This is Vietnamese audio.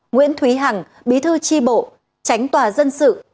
nguyễn thúy hằng bí thư tri bộ tránh tòa dân sự